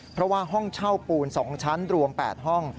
เพราะว่าห้องเช่าปูน๒ชั้นรวม๘ห้อง